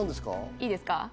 いいですか？